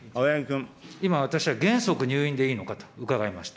今、私は、原則入院でいいのかと伺いました。